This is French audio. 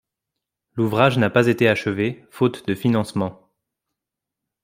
L'ouvrage n'a pas été achevé, faute de financement.